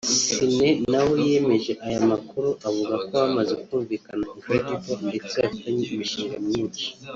Ciney nawe yemeje aya makuru avuga ko bamaze kumvikana na Incredible ndetse bafitanye imishinga myinshi